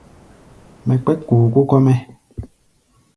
Mɛ kpɛ́k kookóo kɔ́-mɛ́.